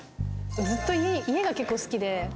ずっと家家が結構好きで。